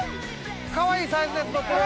かわいいサイズのやつ採ってる。